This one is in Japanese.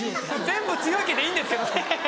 全部強い毛でいいんですよ。